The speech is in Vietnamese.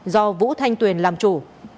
do vũ thanh tuyền làm chủ